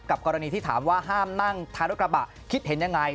กรณีที่ถามว่าห้ามนั่งท้ายรถกระบะคิดเห็นยังไง